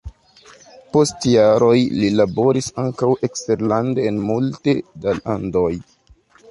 Post jaroj li laboris ankaŭ eksterlande en multe da landoj.